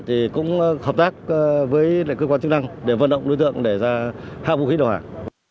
thì cũng hợp tác với cơ quan chức năng để vận động đối tượng để ra hạ vũ khí đầu hàng